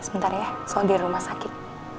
sebentar ya soal di rumah sakit